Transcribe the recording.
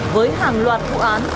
với hàng loạt vụ án